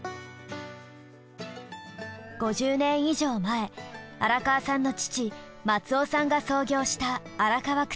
５０年以上前荒川さんの父松雄さんが創業した荒川靴店。